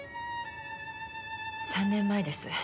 ３年前です。